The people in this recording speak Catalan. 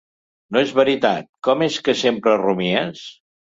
No és veritat. Com és que sempre rumies?